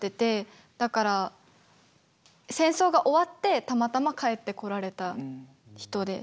だから戦争が終わってたまたま帰ってこられた人で。